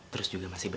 terus juga masih kecil